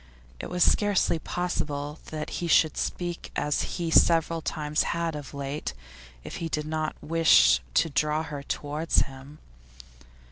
It was scarcely possible that he should speak as he several times had of late if he did not wish to draw her towards him.